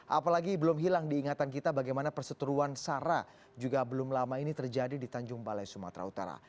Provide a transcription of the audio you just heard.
apalagi belum hilang diingatan kita bagaimana perseteruan sara juga belum lama ini terjadi di tanjung balai sumatera utara